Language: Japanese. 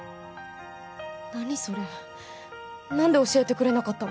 何それ何で教えてくれなかったの？